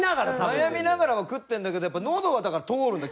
悩みながらも食ってるんだけどやっぱ喉はだから通るんだ